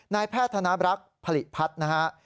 นายแพทย์ธนบรักษ์ผลิตพัฒน์นะฮะ